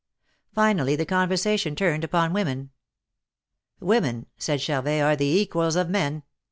Finally the conversation turned upon women. Women," said Charvet, ^^are the equals of men.